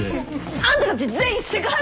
あんたたち全員セクハラだからね！